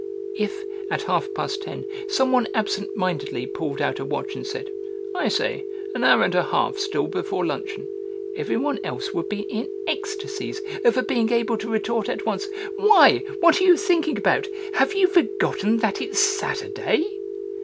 If, at half past ten, some one absent mindedly pulled out a watch and said, "I say, an hour and a half still before luncheon," everyone else would be in ecstasies over being able to retort at once: "Why, what are you thinking about? Have you for gotten that it's Saturday?"